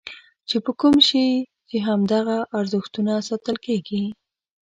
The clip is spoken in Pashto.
چې په کوم شي چې همدغه ارزښتونه ساتل کېږي.